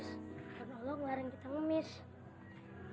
hai terjeng nyamuk figur mis mu precious